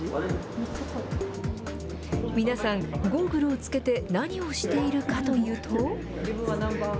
皆さん、ゴーグルをつけて、何をしているかというと。